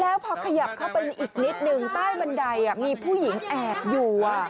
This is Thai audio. แล้วพอขยับเข้าไปอีกนิดนึงใต้บันไดมีผู้หญิงแอบอยู่